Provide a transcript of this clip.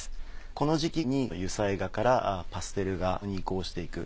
この時期に油彩画からパステル画に移行していく。